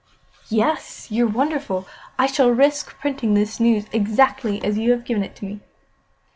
"Yes. You're wonderful. I shall risk printing the news exactly as you have given it to me."